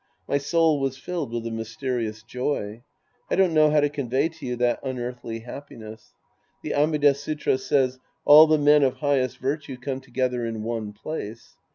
My soul was filled with a mysterious joy. I don't know how to convey to you that unearthly happiness. The Amida Sutra says, " All the men of highest virtue come together in one place."